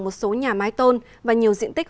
một số nhà mái tôn và nhiều diện tích